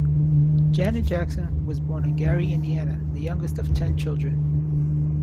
Janet Jackson was born in Gary, Indiana, the youngest of ten children.